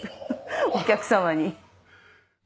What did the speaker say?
お客様に。